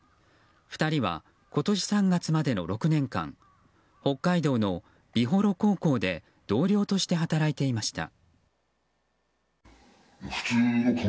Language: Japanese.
２人は今年３月までの６年間北海道の美幌高校で同僚として働いていました。